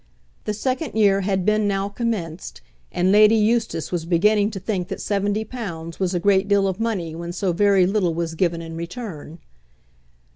The second year had been now commenced, and Lady Eustace was beginning to think that seventy pounds was a great deal of money when so very little was given in return.